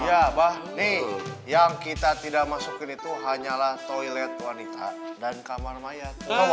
ya bah nih yang kita tidak masukin itu hanyalah toilet wanita dan kamar mayat